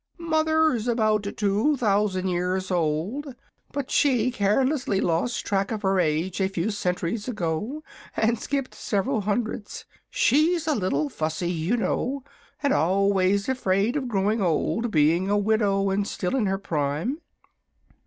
"Mother's about two thousand years old; but she carelessly lost track of her age a few centuries ago and skipped several hundreds. She's a little fussy, you know, and afraid of growing old, being a widow and still in her prime."